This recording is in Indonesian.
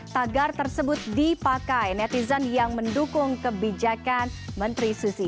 tagar tersebut dipakai netizen yang mendukung kebijakan menteri susi